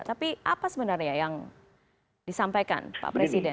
tapi apa sebenarnya yang disampaikan pak presiden